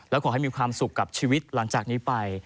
และขอให้มีความสุขกับชีวิตหลังจากนี้ไป